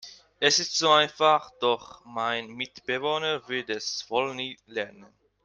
Es ist so einfach, doch mein Mitbewohner wird es wohl nie lernen.